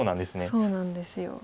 そうなんですよ。